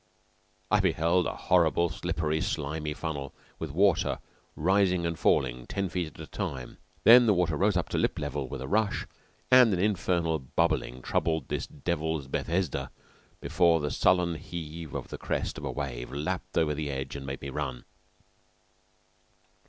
I beheld a horrible, slippery, slimy funnel with water rising and falling ten feet at a time. Then the water rose to lip level with a rush, and an infernal bubbling troubled this Devil's Bethesda before the sullen heave of the crest of a wave lapped over the edge and made me run.